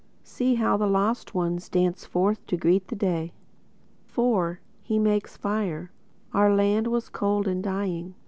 See how the lost ones Dance forth to greet the day! IV (He Makes Fire) Our land was cold and dying.